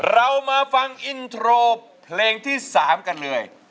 เรามาฟังอินโทรเพลงที่๓กันเลย